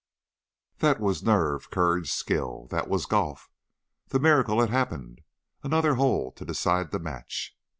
That was nerve, courage, skill! That was golf! The miracle had happened! Another hole to decide the match.